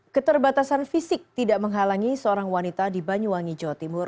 keterbatasan fisik tidak menghalangi seorang wanita di banyuwangi jawa timur